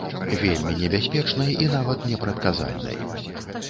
Вельмі небяспечнай і нават непрадказальнай.